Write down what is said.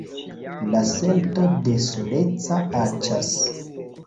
La sento de soleca aĉas.